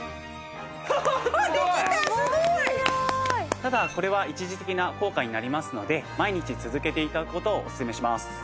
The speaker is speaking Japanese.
ただこれは一時的な効果になりますので毎日続けて頂く事をおすすめします。